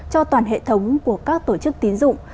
cho toàn hệ thống của các tổ chức tiến dụng